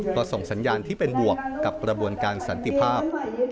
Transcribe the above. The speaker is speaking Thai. ก็ส่งสัญญาณที่เป็นบวกกับกระบวนการสันติภาพ